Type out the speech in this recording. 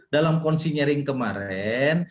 dalam konsinyering kemarin